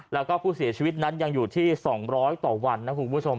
แล้วก็ผู้เสียชีวิตนั้นยังอยู่ที่๒๐๐ต่อวันนะคุณผู้ชม